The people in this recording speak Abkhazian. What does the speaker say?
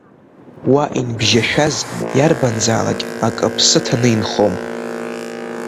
Уа инбжьашәаз иарбанзаалак акы аԥсы ҭаны инхом.